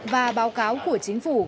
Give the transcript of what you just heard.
và báo cáo của chính phủ